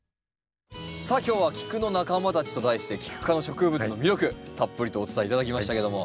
さあ今日は「キクの仲間たち」と題してキク科の植物の魅力たっぷりとお伝え頂きましたけども。